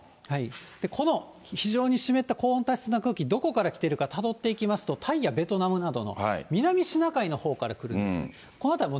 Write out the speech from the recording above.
この非常に湿った高温多湿な空気、どこから来てるかたどっていきますと、タイやベトナムなどの南シナ海のほうから来るんです。